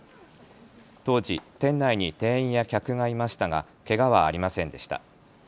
当時、店内に店員や客がいましたがけがはありませんでした。